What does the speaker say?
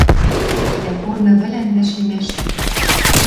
Дӓ корны вӹлӓн вӓшлимӓштӹ